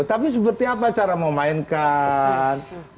tapi seperti apa cara memainkan